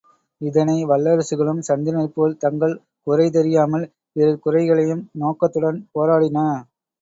இதனை வல்லரசுகளும், சந்திரனைப்போல் தங்கள், குறைதெரியாமல், பிறர் குறைகளை களையும் நோக்கத்துடன் போராடின.